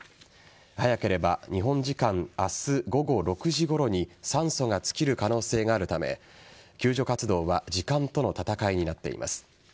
早ければ日本時間明日午後６時ごろに酸素が尽きる可能性があるため救助活動は時間との戦いになっています。